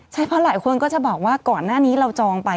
ใช่เพราะหลายคนก็จะบอกว่าก่อนหน้านี้เราจองไป